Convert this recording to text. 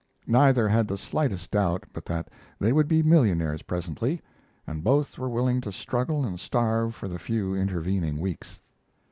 Neither had the slightest doubt but that they would be millionaires presently, and both were willing to struggle and starve for the few intervening weeks.